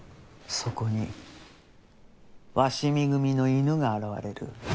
そこに鷲見組の犬が現れる。